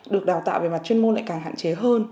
được đào tạo về mặt chuyên môn lại càng hạn chế hơn